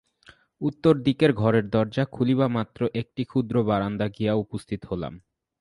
উত্তরদিকের ঘরের দরজা খুলিবামাত্র একটি ক্ষুদ্র বারান্দায় গিয়া উপস্থিত হইলাম।